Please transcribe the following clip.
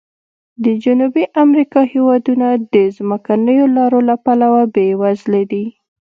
د جنوبي امریکا هېوادونه د ځمکنیو لارو له پلوه بې وزلي دي.